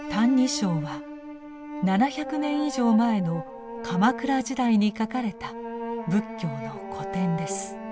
「歎異抄」は７００年以上前の鎌倉時代に書かれた仏教の古典です。